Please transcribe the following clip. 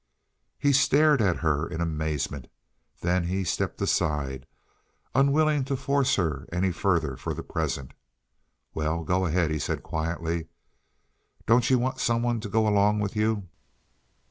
He stared at her in amazement; then he stepped aside, unwilling to force her any further for the present. "Well, go ahead," he said quietly. "Don't you want some one to go along with you?"